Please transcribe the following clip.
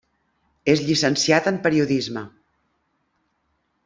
És llicenciat en Periodisme.